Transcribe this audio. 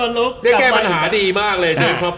นี่แก้ปัญหาดีมากเลย